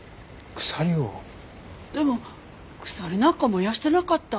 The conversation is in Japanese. でも鎖なんか燃やしてなかった。